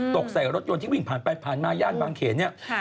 ตกใส่รถยนต์ที่วิ่งผ่านไปผ่านมาญาติบางเขต